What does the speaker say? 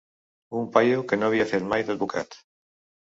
Un paio que no havia fet mai d’advocat!